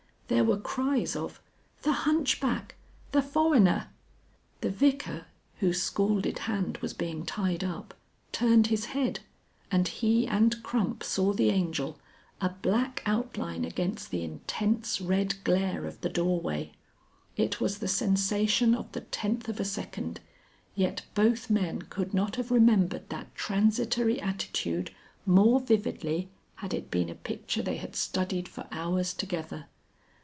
There were cries of "The Hunchback! The Fowener!" The Vicar, whose scalded hand was being tied up, turned his head, and he and Crump saw the Angel, a black outline against the intense, red glare of the doorway. It was the sensation of the tenth of a second, yet both men could not have remembered that transitory attitude more vividly had it been a picture they had studied for hours together.